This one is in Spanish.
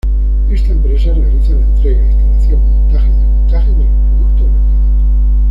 Esta empresa realiza la entrega, instalación, montaje y desmontaje de los productos vendidos.